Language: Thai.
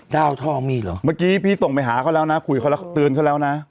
ดาวทองมีอีกเหรอเมื่อกี้พี่ส่งไปหาเขาแล้วนะคุยเขาแล้วเตือนเขาแล้วนะ